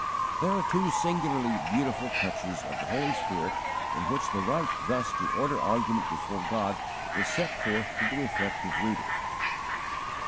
There are two singularly beautiful touches of the Holy Spirit in which the right thus to order argument before God is set forth to the reflective reader.